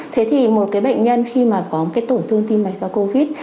thế thì một bệnh nhân khi có tổn thương tim mạch do covid